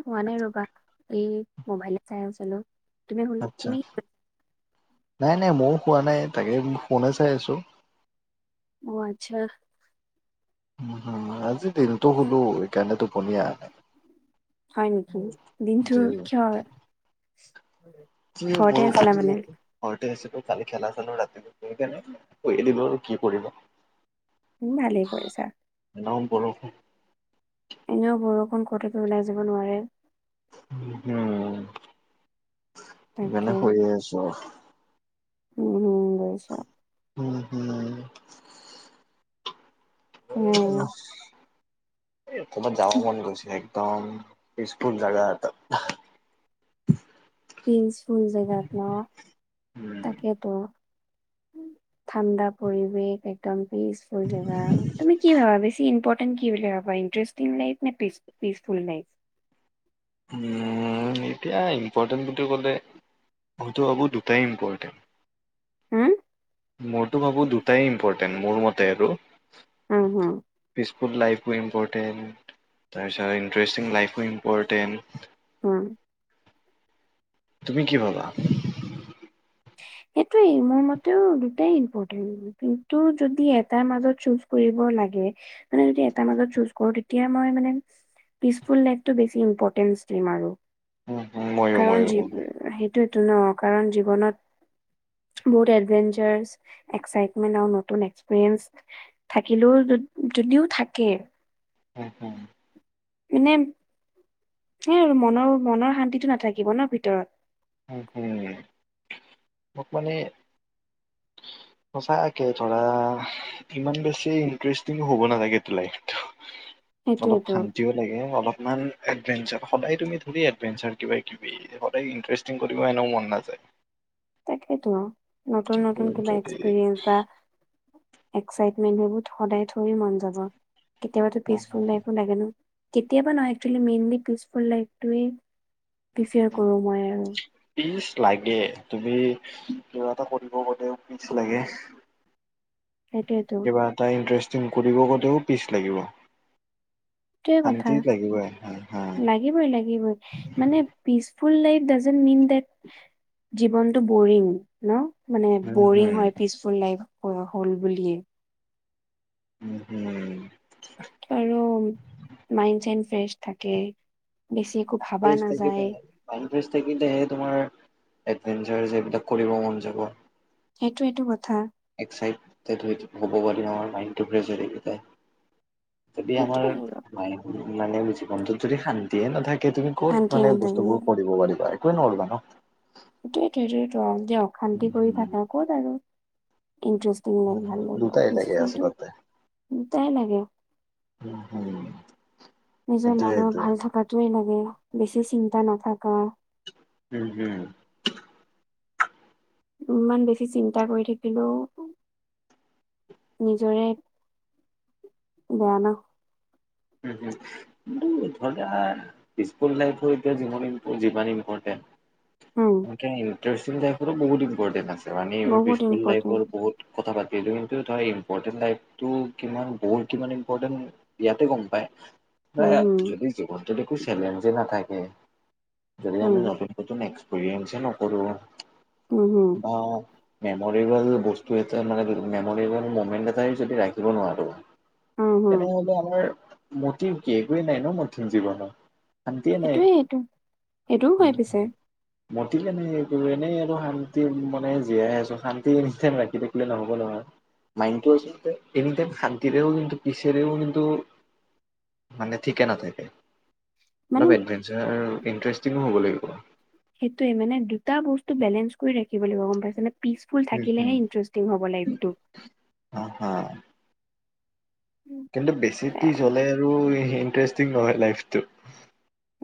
শুৱা নাই ৰবা এই মোবাইলে চাই আছিলো তুমি শুন আচ্ছা তুমি নাই নাই ময়ো শুৱা নাই তাকে ফোনে চাই আছো অ আচ্ছা উম হুম আজি দিনটো শুলো এইকাৰণে টোপনি আহা নাই হয় নেকি? দিনটো যে কিহৰ কি [unintelligible] ঘৰতে আছিলো কালি খেলা চেলো ৰাতিলৈকে [unintelligible] দিলো আৰু কি কৰিব উ ভালেই কৰিছা। [unintelligible] বৰষুণ এনেও বৰষুণ ক'ততো ওলাই যাব নোৱাৰে। উম তাকে সেইকাৰণে শুয়ে আছো আৰু। উম হুম গৈছা [inaudible] উম ক'ৰবাত যাব মন গৈছে একদম পিচফুল জাগা এটাত। পিচফুল জেগাত ন উম তাকেতো। ঠাণ্ডা পৰিৱেশ, একদম পিচফুল জেগা। তুমি কি ভাবা বেছি ইম্পৰ্ট কি ইণ্টৰেষ্টিং লাইফ নে পিছ-পিছফুল লাইফ? এতিয়া ইম্পৰ্টেণ্ট বুলি ক'লে মইতো ভাবোঁ দুটাই ইম্পৰ্টেণ্ট। হম? মইতো ভাবোঁ দুটাই ইম্পৰ্টেণ্ট মোৰ মতে আৰু। উম হুম। পিচফুল লাইফো ইম্পৰ্টেণ্ট, তাৰপিছত ইণ্টাৰেষ্টিং লাইফো ইম্পৰটেণ্ট। উম। তুমি কি ভবা? সেইটোৱেই মোৰ মতেও দুটাই ইম্পৰ্টেণ্ট। কিন্তু যদি এটাৰ মাজত চুজ কৰিব লাগে মানে যদি এটা মাজত চুজ কৰো তেতিয়া মই মানে পিচফুল লাইফটো বেছি ইম্পৰ্টেঞ্চ দিম আৰু। উম, হুম, ময়ো কাৰণ ময়ো জী উম সেইটো এইটো ন, কাৰণ জীৱনত বহুত এডভেঞ্চাৰ, এক্সাইটমেন্ট আৰু নতুন এক্সপৰিয়েঞ্চ থাকিলেও যদিও থাকে হুম হুম। এনে সেই আৰু মনৰ মনৰ শান্তিটো নাথাকিব ন ভিতৰত। উম হম মোক মানে [inaudible] সচাকে ধৰা ইমান বেছি ইণ্টাৰেষ্টিং হ'ব নালাগেতো লাইফটো [inaudible] অলপ শান্তিও লাগে। অলপমান এডভান্চাৰ সদায় তুমি ধৰি এডভান্চাৰ কিবা কিবি সদায় ই কৰিব এনেও মন নাযায়। তাকেটো নতুন কিন্তু নতুন কিবা যদি এক্সপিৰিয়েঞ্চ বা এক্সাইটমেন্ট এইবোৰ সদায় থৰি মন যাব, কেতিয়াবাতো পিচফুল লাইফো লাগে ন। কেতিয়াবা নহয় একচুৱেলী মেইনলি পিচফুল লাইফটোৱে প্ৰিফাৰ কৰো মই আৰু। পিচ লাগে, তুমি কিবা এটা কৰিব গলেও পিচ লাগে। সেইটোৱেটো। কিবা এটা ইণ্টাৰেষ্টিং কৰিব গ'লেও পিচ লাগিব। টোৱেই কথা, শান্তি লাগিবই হা হা লাগিবই লাগিবই, মানে peaceful life doesn't mean that, জীৱনটো বৰিং। ন, মানে উম হুম বৰিং হয় পিচফুল লাইফ হ'ল বুলিয়েই। উম হম। আৰু মাইণ্ড চাইন ফ্ৰেছ থাকে, বেছি একো ভাবা নাযায়। ইনৰেষ্ট থাকিল হে তোমাৰ, এভোৰ এইবিলাক কৰিব মন যাব। সেইটো এইটো কথা। এক্সাইটেড হ'ব পাৰি আমাৰ মাইণ্ডটো ফ্ৰেচ থাকে। যদি আমাৰ সেইটোৱে আৰু মায়ে মানে জীৱনটোত যদি শান্তিয়ে নাথাকে তুমি। ক'ত শান্তি মানে নাথাকে। বস্তুবোৰ কৰিব পাৰিবা একোৱে নোৱাৰিবা ন। সেইটোৱে যে অশান্তি কৰি থাক ক'ত আৰু, ইটষ্ট ভাল দুটাই লাগে স্কুলতো আচলতে দুটাই লাগে। উম হম। নিজৰ মনৰ ভাল থকাতোৱেই লাগে, বেছি চিন্তা নথকা। হুম হুম। ইমান বেছি চিন্তা কৰি থাকিলেওঁ। নিজৰেই, বেয়া ন। হুম হুম, কিন্তু ধৰা পিছফুল লাইফো এতিয়া যিমান যিমান ইম্পৰ্টেণ্ট। উম। এ ইটাৰেষ্টিং লাইফৰো বহুত ইম্পৰ্টেন্ট আছে মানে বহুত পিছফুল ইম্পৰ্টেণ্ট লাইফৰ বহুত কথা পাতি সেইটো ধৰ ইম্পৰ্টেট লাইফটো কিমান বৰ কিমান ইম্পৰ্টেট ইয়াতেই গম পায়। না, উম হম যদি জীৱনটোত একো চেলেঞ্জে নাথাকে, যদি আমি উম নতুন নতুন এক্স পেৰিয়েঞ্চেই নকৰো। উম হম। বা মেমৰেবল বস্তু এটাই মানে মেমৰেবল ম'মেন্ট এটাই যদি ৰাখিব নোৱাৰো। উম হম তেনেহলে আমাৰ মতিভ কি, একোৱেই নাই ন মাতিভ জীৱনৰ। শান্তিয়েই নাই। সেইটোয়ে সেইটো সেইটোও হয় পিছে মতিভেই নাই একো এনেই আৰু শান্তি মানে জীয়াই আছো শান্তি এনিটাইম ৰাখি থাকিলে নহব নহয়। মাইনটো এনিটাইম শান্তিৰেও কিন্ত পিছেৰেও কিন্তু মানে ঠিকে নাথাকে, মানে অলপ এডভেঞ্চাৰ ইণ্টাৰেষ্টিঙো হ'ব লাগিব। সেইটোৱেই মানে, দুটা বস্তু বেলেঞ্চ কৰি ৰাখিব লাগিব, গম পাইছানে? পিচফুল থাকিলেহে ইণ্টাৰেষ্টিং হ'ব লাইফটো। অহ, হা। কিন্তু বেছি পিচ হ'লে আৰু ইন্টাৰেষ্টিং নহয় লাইফটো।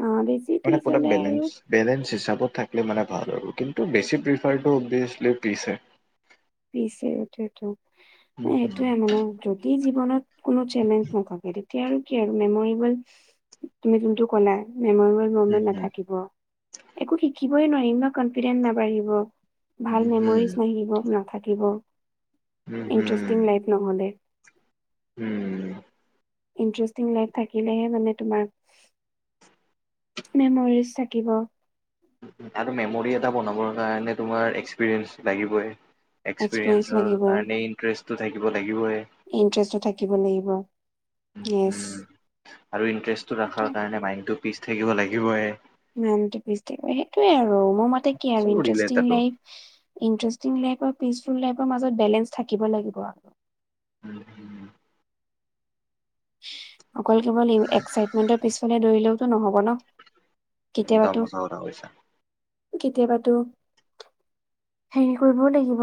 অহ বেছি মানে পিছ পুৰা হ'লে আৰু। বেলেঞ্চ বেলেঞ্চ হিচাপত থাকিলে মানে ভাল আৰু কিন্তু বেছি প্ৰিফাৰটো অবভিয়াচলি পিচ হয়। পিছ হয় এইটোৱেইটো, উম, হুম। এইটোয়েই মানে য দি জীৱনত কোনো চেলেঞ্জ নথাকে তেতিয়া আৰু কি আৰু মেমৰেবল তুমি যোনটো ক'লা মেমৰেবল উম, মমেণ্ট হুম, নাথাকিব, একো শিকিবই নোৱাৰিম ন কনফিডেন্ নাবাঢ়িব। উম, ভাল হুম, মেমৰিছ নাহিব, নাথাকিব উম, হুম, ইণ্টাৰেষ্টিং লাইফ নহ'লে। উম। ইন্টাৰেষ্টিং লাইফ থাকিলেহে মানে তোমাৰ। মেমৰিছ থাকিব। আৰু মেমৰি এটা বনাবৰ কাৰণে তোমাৰ এক্সপিৰিয়েঞ্চ লাগিবই। এক্সপিৰিয়েঞ্চ এক্সপিৰিয়েঞ্চৰ লাগিব। কাৰণে ইণ্টাৰেষ্টটো থাকিব লাগিবই। ইণ্টাৰেষ্টটো থাকিব লাগিব, য়েছ। উম, আৰু ইণ্টাৰেষ্টটো ৰখাৰ কাৰণে, মাইণ্ডটো পিচ থাকিব লাগিবই। সেইটোৱে আৰু মোৰ মতে কি আৰু চব ৰিলেটেড ইটাৰেষ্টিং আৰু লাইফ ইণ্টাৰেষ্টিং লাইফ বা পিচফুল লাইফৰ মাজত বেলেঞ্চ থাকিব লাগিব [unintelligible] অকল কেৱল এক্সাইটমেণ্টৰ পিছফালে দৌৰিলেওতো নহ'ব ন একদম কেতিয়াবাতো সঁচা কথা কৈছা। কেতিয়াবাতো হেৰি কৰিবও লাগিব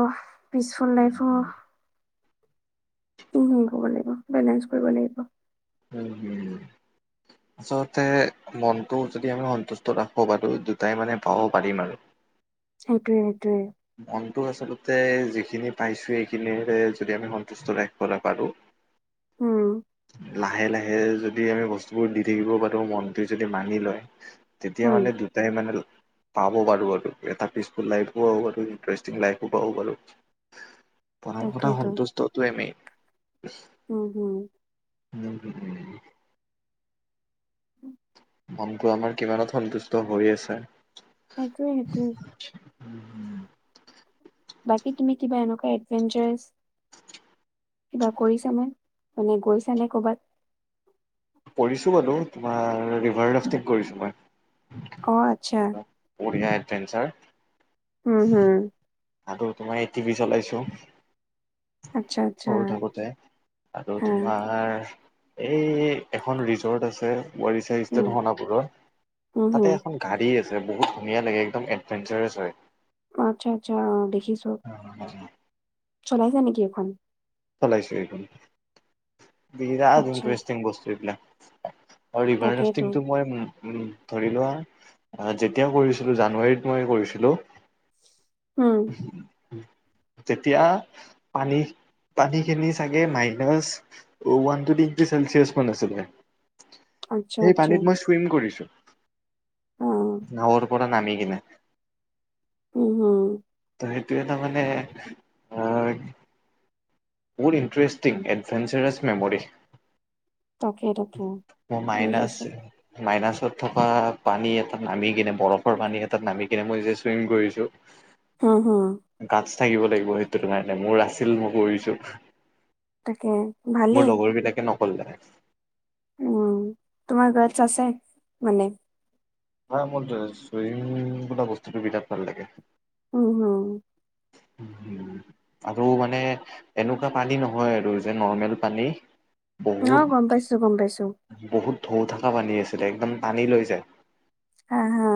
পিচফুল উম, লাইফো, উম, ক'ব লাগিব, বেলেঞ্চ কৰিব লাগিব। অ। [unintelligible] [inaudible] আচলতে মনটো যদি আমি সন্তুষ্ট ৰাখিব পাৰো, দুটাই মানে পাব পাৰি মানে। সেইটোৱে সেইটোৱেই মনটো আচলতে যিখিনি পাইছো সেইখিনিৰে যদি আমি সন্তুষ্ট ৰাখিবলে পাৰোঁ উম লাহে লাহে যদি আমি বস্তুবোৰ দি থাকিব পাৰো মনটো যদি মানি লয় তেতিয়া উম মানে দুটাই মানে পাব পাৰো আৰু এটা পিচফুল লাইফো হৈ গল ইণ্টাৰেষ্টিং লাইফো পাব পাৰো প্ৰথম কথা তাকেইতো সন্তুষ্টটোৱে মেইন [unintelligible] উম হুম [unintelligible] উম মনটো আমাৰ কিমানত সন্তুষ্ট কৰি আছে সেইটোৱে সেইটোৱে বাকী তুমি কিবা এনেকুৱা এডভেঞ্চাৰছ কিবা কৰিছানে মানে গৈছা নে কবাত কৰিছো বাৰু তোমাৰ ৰিভাৰ ৰাফটিং কৰিছো মই অ আচ্ছা বঢ়িয়া এডভেঞ্চাৰ উম হুম আৰু তোমাৰ এই টিভি চলাইছো আচ্ছা আচ্ছা সৰু থাকোতে আৰু হা তোমাৰ এই এখন ৰিজৰ্ট আছে ৱেৰি চাইষ্ট উম সণাপুৰৰ উম হম তাতে এখন গাড়ী আছে বহুত ধুনীয়া লাগে একদম এডভেঞ্চাৰাছ হয় অঁ আচ্ছা আচ্ছা অ দেখিছো চলাইছা নেকি এখন চলাইছো এইখন বিৰাদ আচ্ছা ইণ্টৰেষ্টিং বস্তু এইবিলাক ৰিভাৰ তাকেইতো ৰাফটিংটো মই উম ধৰি লোৱা যেতিয়া কৰিছিলো জানুৱাৰীত মই কৰিছিলো হম যেতিয়া পানী পানীখিনি চাগে মাইনছ ওৱান ডিগ্ৰী চেলচিয়াছ মান আছিলে আচ্ছা সেই আচ্ছা পানীত মই চুইম কৰিছো অ নাৱৰ পৰা নামি কিনে। উম হু' ত সেইটোৱে তাৰ মানে- বহুত ইণ্টেৰেষ্টিং এডভেঞ্চাৰছ মেম'ৰি। তাকে তাকে মো মাইনা বুজিছো আছে। মাইনাছত থকা পানী এটাত নামি কেনে বৰফৰ পানী এটা নামি- এয়া মই যে চুইমিং কৰিছো। হঁ হঁ। গাতছ থাকিব লাগিব সেইটো কাৰণে মোৰ আছিল মই কৰিছো। তাকে মোৰ ভালেই লগৰবিলাকে নকৰিলে। উম' তোমাৰ গাৰ্ডছ আছে মানে। হাঁ মোৰ চুইমিং বোলা বস্তুটো বিৰাট ভাল লাগে। উমহু' আৰু মানে এনেকুৱা পানী নহয় আৰু যে নৰ্মেল পানী। অ বহুত গম পাইছো গম পাইছো বহুত ধোঁ থকা পানী আছিলে একদম টানি লৈ যায়। হাঁ হাঁ।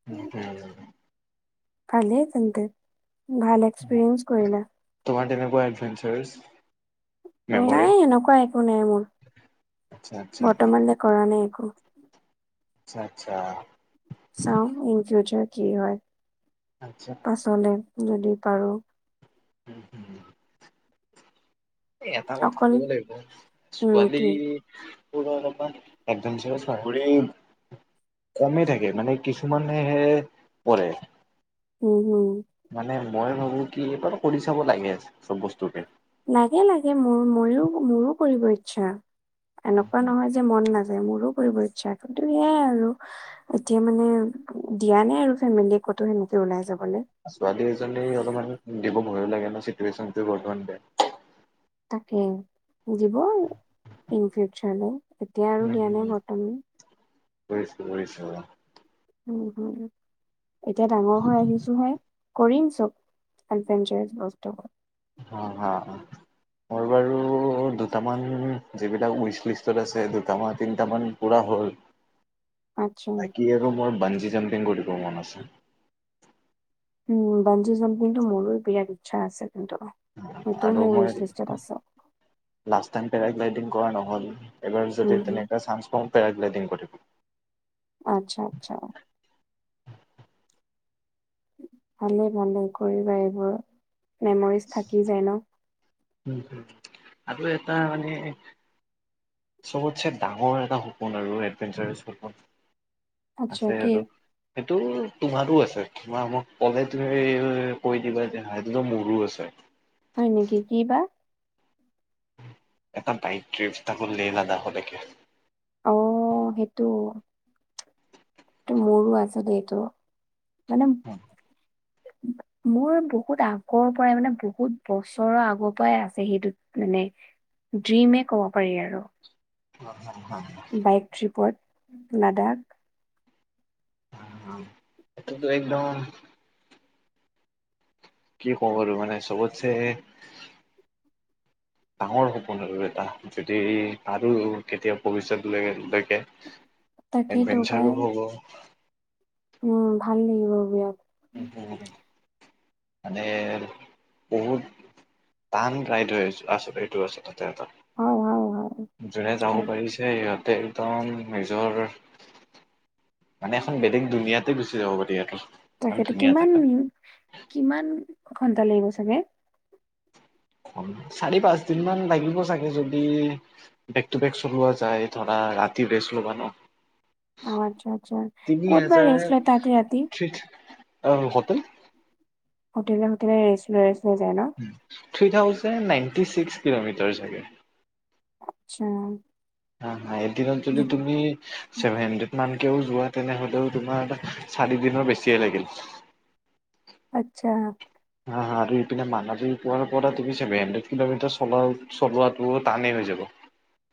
[unintelligible] ভালেই তেন্তে ভাল এক্সপিৰিয়েন্স কৰিলা। তোমাৰ তেনেকুৱা এডভেঞ্চাছ। নাই এনকুৱা একো নাই মোৰ আচ্ছা আচ্ছা বৰ্তমানলৈ কৰা নাই একো। আৎচ্ছা আৎচ্ছা। চাঁও ইন ফিউচাৰ কি হয়? আৎচ্ছা। পাছলে যদি পাৰোঁ। [unintelligible] এটা কথা ক'ব অকল লাগিব, উম কি ছোৱালী- অলপমান একদমচে চাকৰি- কমেই থাকে মানে কিছুমানহে পৰে। উম হু' মানে মই ভাবো কি? এইবাৰ কৰি চাব লাগে চব বস্তুতে। লাগে লাগে মোৰ ময়ো মোৰো কৰিব ইচ্ছা এনেকুৱা নহয় যে মন নাজ- মোৰো কৰিব ইচ্ছা, কিন্তু সেয়াই আৰু। এতিয়া মানে দিয়া নাই আৰু ফেমিলিয়ে ক'তো সেনেকে ওলাই যাবলে। ছোৱালী এজনী অলমান দিব ভয়ো লাগে ন চিটুৱেনটো অলমান বেয়া। তাকে, দিব আৰু ইন ফিউচাৰলে এতিয়া আৰু দিয়া নাই বৰ্তমান। গৈছো গৈছো ৰ। উম হু' এতিয়া ডাঙৰ হৈ আহিছো হে। কৰিম চব এডভেঞ্চাৰছ বস্তুবোৰ। অঁ হ অঁ। মোৰ বাৰু দুটামান যিবিলাক উইচ লিষ্টত আছে দুটামান তিনিটামান- পুৰা হ'ল। [inaudible] বাকী আৰু মোৰ বানজি জাম্পিং কৰিব মন আছে। উম' বানজি জাম্পিংটো মোৰো বিৰাট ইৎচ্ছা আছে কিন্তু, সেটো আৰু মোৰ মই লিষ্টত আছে। লাষ্ট টাইম পেৰাগ্লাইডিং কৰা নহল, এবাৰ উম যদি হম তেনেকুৱা চানন্স পাওঁ- পেৰাাগ্লাইডিং কৰিব আচ্ছা আচ্ছা ভালেই ভালেই কৰিবা এইবোৰ মেমৰিজ থাকি যায় ন উ আৰু এটা মানে চবতছেে ডাঙৰ এটা সপোন আৰু এডভেঞ্চাৰাছ সপোন আচ্ছা আছে কি আৰু সেইটো তোমাৰো আছে তমাৰ মোক ক'লে তুমি কৈ দিবা যে সেইটোতো মোৰো আছে হয় নেকি কি বা এটা বাইক ট্ৰিপ তাকো লে লডাখ ৰ লেকে অ সেইটো টো মোৰো আছেটো এইটো মানে মো মোৰ বহুত আগৰ পৰাই মানে বহুত বছৰৰ আগৰ পৰাই আছে সেইটোত মানে ড্ৰিমে ক'ব পাৰি আৰু হয় হয় হয় বাইক ট্ৰিপত লাডাখ এ তো একদম কি কম বাৰু মানে চবতছে হে [inaudible] ডাঙৰ সপোন আৰু এটা যদি আৰু কেতিয়া ভৱিষ্যতলৈ লৈকে তাকেতো পাই অ উম ভাল লাগিব বিৰাট মানে বহুত টান ৰাইড হৈ আচল এইটো আচলতে এটা হয় হয় হয় যোনে যাব হয় পাৰিছে সিহঁতে একদম নিজৰ মানে এখন বেলেগ দুুনীয়াতে গুচি যাব পাৰি ইটো তাকেতো কিমান কিমান ঘন্টা লাগিব চাগে চাৰি পাঁচ দিন মান লাগিব চাগে যদি বেক টু বেক চলোৱা যায় ধৰা ৰাতি ৰেষ্ট ল'বা ন অ আচ্ছা আচ্ছা তিনি কত বা ৰেষ্ট লই তাতে ৰাতি অ হটেল হোটেলে হোটেলে ৰেষ্ট লৈ ৰেষ্ট লৈ যায় ন three thousand ninety six kilometre চাগে আচ্ছা হা হা এদিনত যদি তুমি ছেভেন হানড্ৰেড মানকেও যোৱা তেনেহ'লেও তোমাৰ এটা চাৰি দিনৰ বেছিয়ে লাগিল আচ্ছা হা আৰু ইপিনে মানালী পুৱাৰ পৰা তুমি ছেভেন হাড্ৰেড কিলোমিটাৰ চলাও চলোৱাটোও টানেই হৈ যাব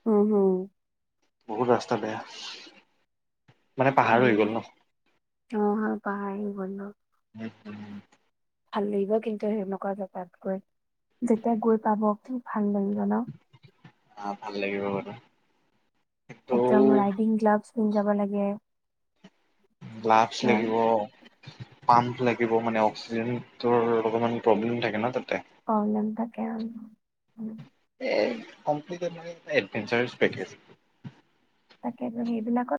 অ হুম বহুত ৰাস্তা বেয়া মানে পাহাৰ হৈ হম গ'ল ন অ পাহাৰ আহি গ'ল ন অ ভাল লাগিব কিন্তু সেনেকুৱা জেগাত গৈ যেতিয়া গৈ পাব কি ভাল লাগিব ন আহ ভাল লাগিব বাৰু কিন্তু একদম ৰাইডিং গ্লাভছ পিন্ধি যাব লাগে গ্লাভছ লাগিব পাম্প লাগিব মানে অক্সিজেনটোৰ অলপমান প্ৰব্লেম থাকে ন তাতে। প্ৰব্লেম তাকে উম এ কমপ্লিটেত মানে এডোৱেঞ্চাৰি পেকেট। তাকেটো সেইবিলাকত